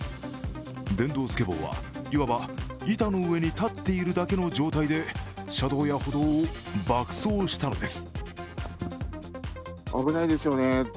電動スケボーは、いわば板の上に立っているだけの状態で車道や歩道を爆走したのです。